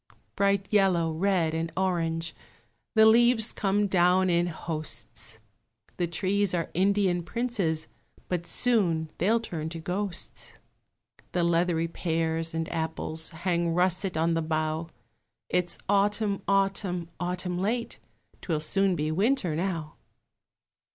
Bright yellow, red, and orange, The leaves come down in hosts; The trees are Indian princes, But soon they'll turn to ghosts; The leathery pears and apples Hang russet on the bough; It's Autumn, Autumn, Autumn late, 'Twill soon be Winter now.